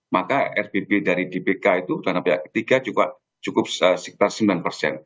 maka rbb dari dbk itu dana pihak ketiga juga cukup sekitar sembilan persen